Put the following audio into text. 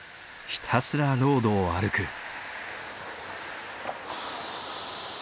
ひたすらロードを歩く。